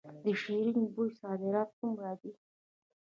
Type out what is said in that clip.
د شیرین بویې صادرات څومره دي؟